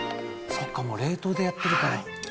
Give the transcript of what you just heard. そっかもう冷凍でやってるから。